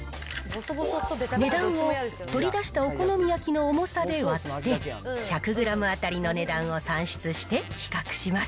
値段を取り出したお好み焼きの重さで割って、１００グラム当たりの値段を算出して比較します。